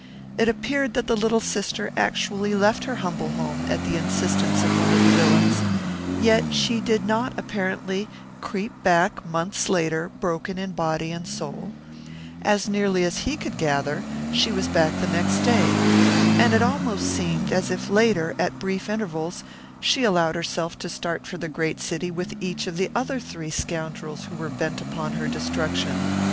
It appeared that the little sister actually left her humble home at the insistence of one of the villains, yet she did not, apparently, creep back months later broken in body and soul. As nearly as he could gather, she was back the next day. And it almost seemed as if later, at brief intervals, she allowed herself to start for the great city with each of the other three scoundrels who were bent upon her destruction.